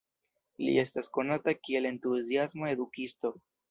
Li estas konata kiel entuziasma edukisto.